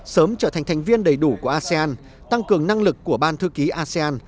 sớm trở thành thành viên đầy đủ của asean tăng cường năng lực của ban thư ký asean